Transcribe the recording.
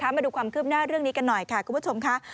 มาดูความคืบหน้าเรื่องนี้กันหน่อยค่ะคุณผู้ชมค่ะ